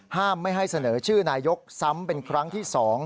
ไม่ให้เสนอชื่อนายกซ้ำเป็นครั้งที่๒